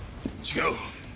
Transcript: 違う。